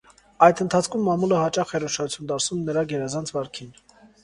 Այդ ընթացքում մամուլը հաճախ էր ուշադրություն դարձնում նրա գերազանց վարքին։